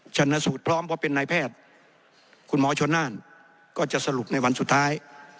ชนสูตรพร้อมเพราะเป็นนายแพทย์คุณหมอชนน่านก็จะสรุปในวันสุดท้าย